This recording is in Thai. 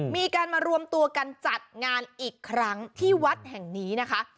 มีการมารวมตัวกันจัดงานอีกครั้งที่วัดแห่งนี้นะคะ